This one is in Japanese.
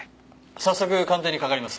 早速鑑定にかかります。